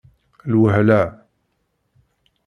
Lwehla